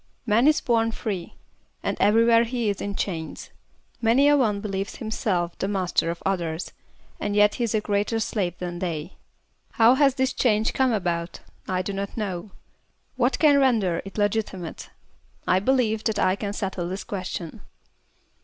Man is bom free, and everywhere he is in chains. Many a one believes himself the master of others, and yet he is a greater slave than they. How has this change come about ? I do not know. What can render it legiti mate ? I believe that t can settle this question.